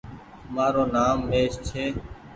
مآرو نآم مهيش ڇي۔